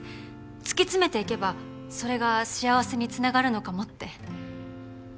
突き詰めていけばそれが幸せにつながるのかもって。